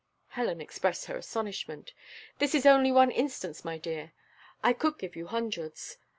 Helen expressed her astonishment. "This is only one instance, my dear; I could give you hundreds.